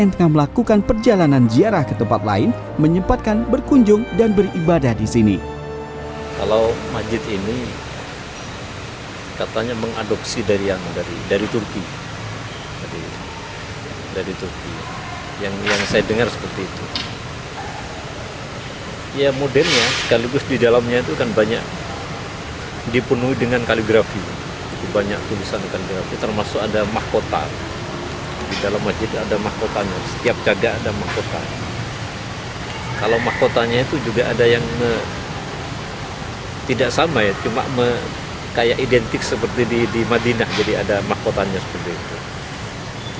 kalau mahkotanya itu juga ada yang tidak sama ya cuma kayak identik seperti di madinah jadi ada mahkotanya seperti itu